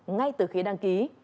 ngay từ khi đăng ký